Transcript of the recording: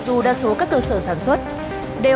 sữa bột công thức đây